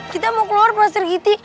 kita mau keluar pasir giti